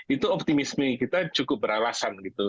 itu optimisme kita cukup beralasan gitu